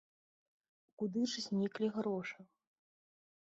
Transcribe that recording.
Куды ж зніклі грошы?